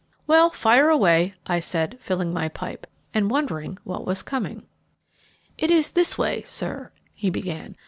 "Well, fire away," I said, filling my pipe, and wondering what was coming. "It is this way, sir," he began.